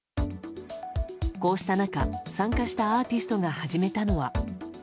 こうした中、参加したアーティストが始めたのは。